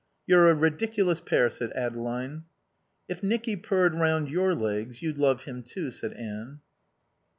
"You're a ridiculous pair," said Adeline. "If Nicky purred round your legs, you'd love him, too," said Anne.